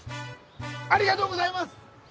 ありがとうございます！